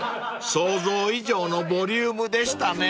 ［想像以上のボリュームでしたね］